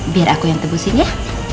biar aku yang tebusin ya